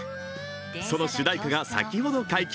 その主題歌が先ほど解禁。